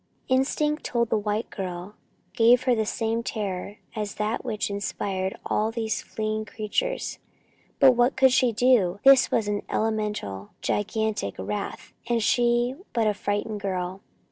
Instinct told the white girl, gave her the same terror as that which inspired all these fleeing creatures. But what could she do? This was an elemental, gigantic wrath, and she but a frightened girl.